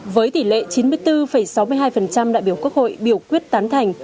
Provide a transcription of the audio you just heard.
với tỷ lệ chín mươi bốn sáu mươi hai đại biểu quốc hội biểu quyết tán thành